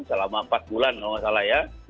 selama empat bulan kalau nggak salah ya